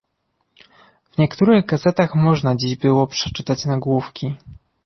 W niektórych gazetach można dziś było przeczytać nagłówki